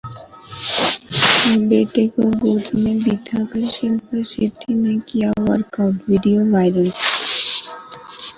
बेटे को गोद में बिठाकर शिल्पा शेट्टी ने किया वर्कआउट, वीडियो वायरल